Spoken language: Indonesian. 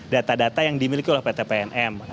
data data yang dimiliki oleh pt pnm